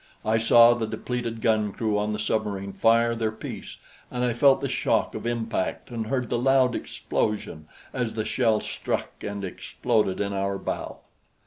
I saw the depleted gun crew on the submarine fire their piece and I felt the shock of impact and heard the loud explosion as the shell struck and exploded in our bows.